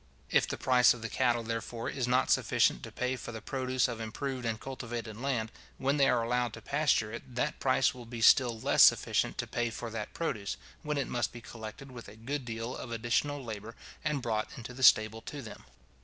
If the price of the cattle, therefore, is not sufficient to pay for the produce of improved and cultivated land, when they are allowed to pasture it, that price will be still less sufficient to pay for that produce, when it must be collected with a good deal of additional labour, and brought into the stable to them.